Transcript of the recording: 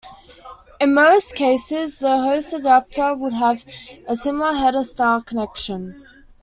In most cases, the host adapter would have a similar header-style connection.